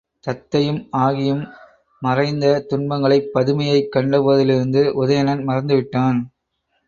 தத்தையும் ஆகியும் மறைந்த துன்பங்களைப் பதுமையைக் கண்ட போதிலிருந்து உதயணன் மறந்துவிட்டான்.